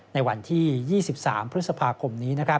ในวันที่๒๓พฤษภาคมนี้